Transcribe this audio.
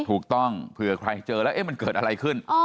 ถูกต้องเผื่อใครเจอแล้วมันเกิดอะไรขึ้น